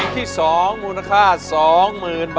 ได้ครับ